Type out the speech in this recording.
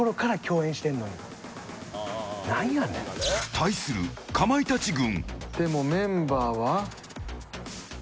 対する、かまいたち軍。